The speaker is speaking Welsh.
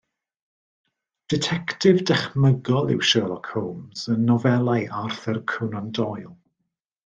Ditectif dychmygol yw Sherlock Holmes yn nofelau Arthur Conan Doyle.